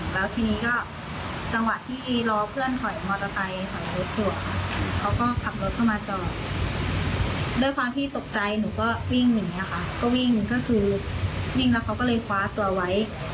ยิ่งแล้วเขาก็เลยคว้าตัวไว้